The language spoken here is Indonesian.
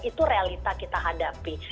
itu realita kita hadapi